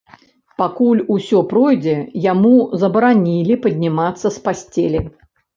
Пакуль усё пройдзе, яму забаранілі паднімацца з пасцелі.